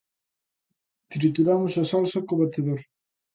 Trituramos a salsa co batedor.